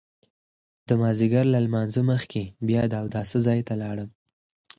د مازیګر له لمانځه مخکې بیا د اوداسه ځای ته لاړم.